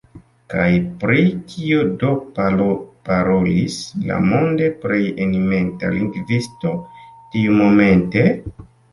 Kaj pri kio do parolis la monde plej eminenta lingvisto tiumomente?